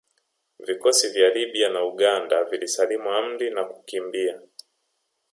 Vikosi vya Libya na Uganda vilisalimu amri na kukimbia